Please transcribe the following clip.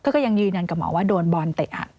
ก็ยังยืนกับหมอว่าโดนบอลเตะอัด